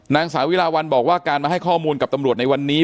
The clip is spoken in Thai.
นางสาวิลาวันบอกว่าการมาให้ข้อมูลกับตำรวจในวันนี้